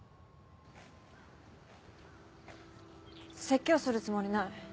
説教するつもりない。